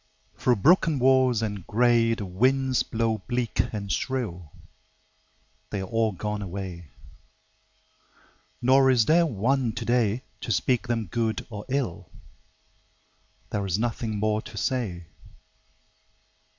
Through broken walls and gray The winds blow bleak and shrill: They are all gone away. Nor is there one today To speak them good or ill: There is nothing more to say.